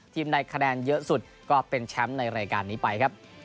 ในคะแนนเยอะสุดก็เป็นแชมป์ในรายการนี้ไปครับ